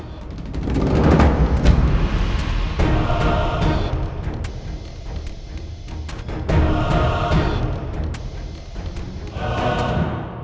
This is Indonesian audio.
aku akan mencari kemampuan untuk membuatmu lebih baik